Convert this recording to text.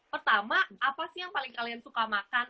pertama apa sih yang paling kalian suka makan